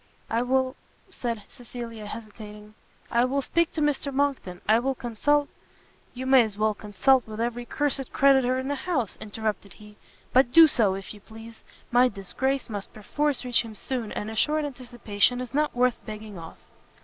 "I will, " said Cecilia, hesitating, "I will speak to Mr Monckton, I will consult " "You may as well consult with every cursed creditor in the house!" interrupted he; "but do so, if you please; my disgrace must perforce reach him soon, and a short anticipation is not worth begging off."